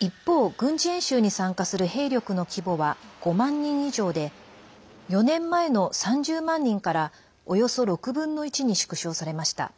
一方、軍事演習に参加する兵力の規模は５万人以上で４年前の３０万人からおよそ６分の１に縮小されました。